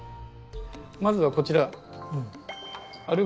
まずはこちら。